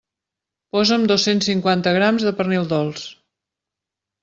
Posa'm dos-cents cinquanta grams de pernil dolç.